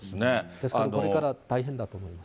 ですからこれから大変だと思います。